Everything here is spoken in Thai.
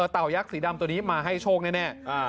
เต่ายักษ์สีดำตัวนี้มาให้โชคแน่